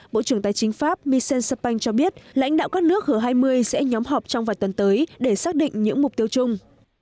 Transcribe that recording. bộ trưởng tài chính pháp michel sepeng cho biết lãnh đạo các nước g hai mươi sẽ nhóm họp trong vài tuần tới để xác định những mục tiêu chung